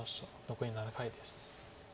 残り７回です。